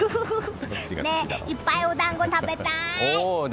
いっぱいお団子、食べたい！